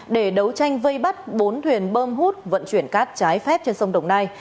để đấu tranh vây bắt bốn thuyền bơm hút vận chuyển cát trái phép trên sông đồng nai